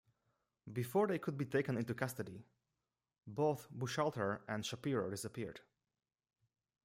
Before they could be taken into custody, both Buchalter and Shapiro disappeared.